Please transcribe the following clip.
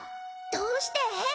どうして！？